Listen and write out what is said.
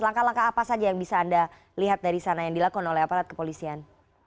langkah langkah apa saja yang bisa anda lihat dari sana yang dilakukan oleh aparat kepolisian